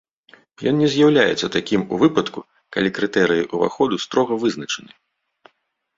Ён не з'яўляецца такім у выпадку, калі крытэрыі ўваходу строга вызначаны.